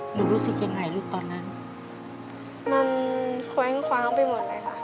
รู้สึกยังไงลูกตอนนั้นมันแคว้งคว้างไปหมดเลยค่ะ